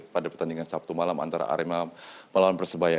pada pertandingan sabtu malam antara arema melawan persebaya